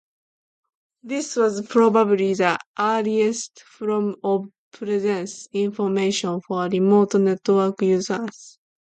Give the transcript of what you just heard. This was probably the earliest form of presence information for remote network users.